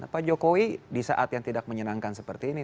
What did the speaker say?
pak jokowi di saat yang tidak menyenangkan seperti ini